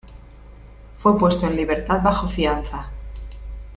Fue puesto en libertad bajo fianza.